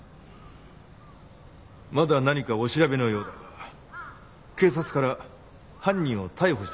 まだ何かお調べのようだが警察から犯人を逮捕したと連絡がありました。